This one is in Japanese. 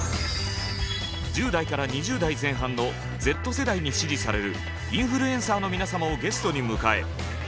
１０代から２０代前半の「Ｚ世代」に支持されるインフルエンサーの皆様をゲストに迎え。